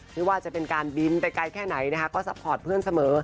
ไม่ว่าจะเป็นการบินไปไกลแค่ไหนนะคะก็ซัพพอร์ตเพื่อนเสมอ